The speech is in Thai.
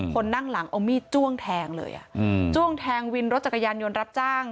คนนั่งหลังเอามีดจ้วงแทงเลยจ้วงแทงวินรถจักรยานยนต์รับจ้าง